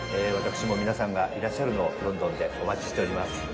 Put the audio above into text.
私も皆さんがいらっしゃるのをロンドンでお待ちしております。